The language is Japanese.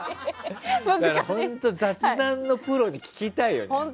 雑談のプロに聞きたいよね。